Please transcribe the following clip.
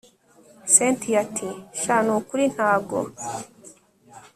cyntia ati sha nukuri ntago